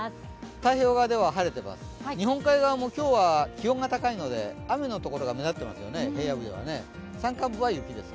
太平洋側では晴れています、日本海側でも今日は気温が高いので雨の所が目立ってますよね、平野部は。